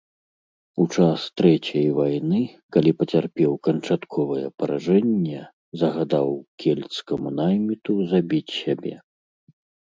У час трэцяй вайны, калі пацярпеў канчатковае паражэнне, загадаў кельцкаму найміту забіць сябе.